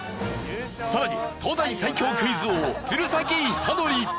さらには東大最強クイズ王鶴崎修功。